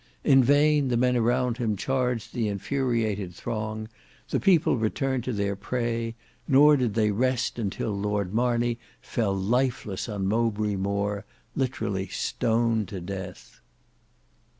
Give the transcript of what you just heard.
In vain the men around him charged the infuriated throng; the people returned to their prey, nor did they rest until Lord Marney fell lifeless on Mowbray Moor, literally stoned to death.